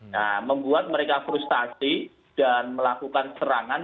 nah membuat mereka frustasi dan melakukan serangan